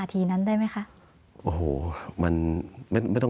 สวัสดีครับทุกคน